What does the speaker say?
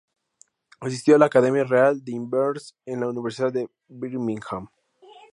Asistió a la Academia Real de Inverness y a la Universidad de Birmingham.